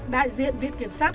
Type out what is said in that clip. đại diện viện kiểm sát